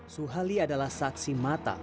suhali adalah saksi mata